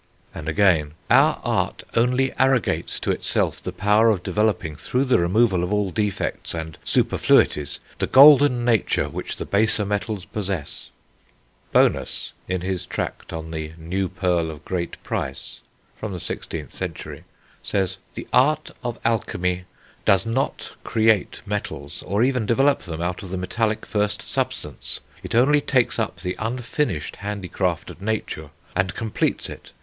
And again: "Our Art ... only arrogates to itself the power of developing, through the removal of all defects and superfluities, the golden nature which the baser metals possess." Bonus, in his tract on The New Pearl of Great Price (16th century), says: "The Art of Alchemy ... does not create metals, or even develop them out of the metallic first substance; it only takes up the unfinished handicraft of Nature and completes it....